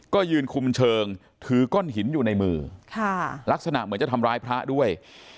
ก็ยืนคุมเชิงถือก้อนหินอยู่ในมือลักษณะเหมือนจะทำร้ายพระด้วย